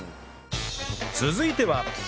続いては